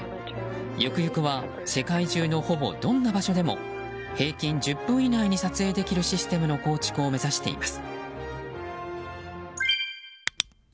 ゆくゆくは世界中のほぼどんな場所でも平均１０分以内に撮影できるシステムの構築を目指しています。